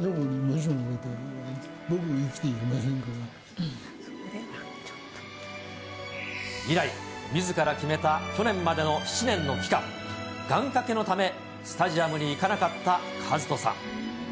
女房にもしものことがあった以来、みずから決めた去年までの７年の期間、願掛けのため、スタジアムに行かなかった和人さん。